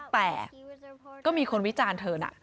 แต่ก็มีคนวิจารณ์เธอนะ